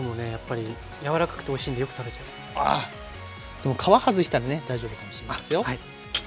でも皮外したらね大丈夫かもしんないですよ。